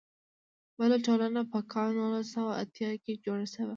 بله ټولنه په کال نولس سوه اتیا کې جوړه شوه.